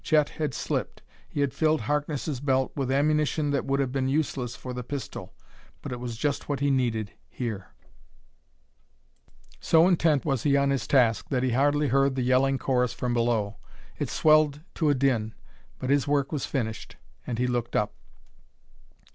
Chet had slipped; he had filled Harkness' belt with ammunition that would have been useless for the pistol but it was just what he needed here. So intent was he on his task that he hardly heard the yelling chorus from below. It swelled to a din; but his work was finished, and he looked up.